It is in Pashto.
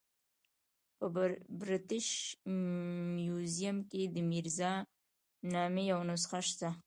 په برټش میوزیم کې د میرزا نامې یوه نسخه شته.